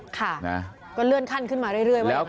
ค่ะก็เลื่อนขั้นขึ้นมาเรื่อยว่าอย่างนั้น